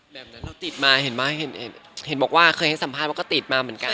แบบนั้นเราติดมาเห็นไหมเห็นบอกว่าเคยให้สัมภาษณ์ว่าก็ติดมาเหมือนกัน